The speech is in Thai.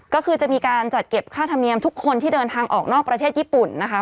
ก็คือจะมีการจัดเก็บค่าธรรมเนียมทุกคนที่เดินทางออกนอกประเทศญี่ปุ่นนะคะ